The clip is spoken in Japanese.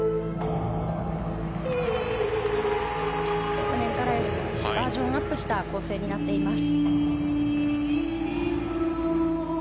昨年からバージョンアップした構成になっています。